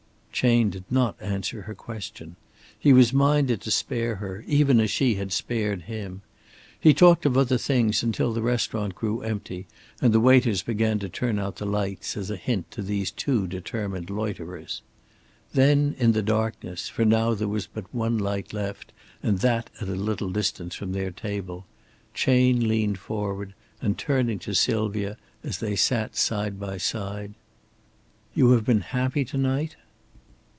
Chayne did not answer her question. He was minded to spare her, even as she had spared him. He talked of other things until the restaurant grew empty and the waiters began to turn out the lights as a hint to these two determined loiterers. Then in the darkness, for now there was but one light left, and that at a little distance from their table, Chayne leaned forward and turning to Sylvia, as they sat side by side: "You have been happy to night?"